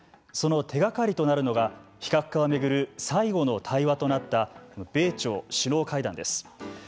その手がかりとなるのが非核化を巡る最後の対話となった米朝首脳会談です。